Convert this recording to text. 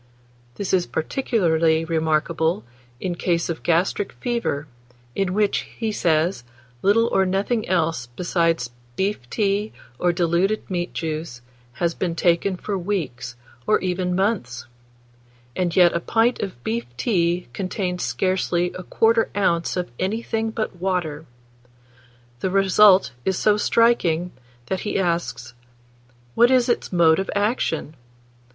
This is particularly remarkable in case of gastric fever, in which, he says, little or nothing else besides beef tea, or diluted meat juice, has been taken for weeks, or even months; and yet a pint of beef tea contains scarcely 1/4 oz. of anything but water. The result is so striking, that he asks, "What is its mode of action?